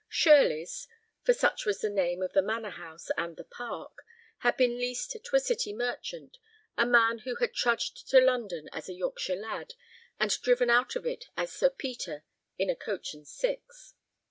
Shirleys, for such was the name of the manor house and the park, had been leased to a city merchant, a man who had trudged to London as a Yorkshire lad, and driven out of it as Sir Peter in a coach and six.